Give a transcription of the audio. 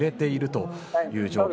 という状況。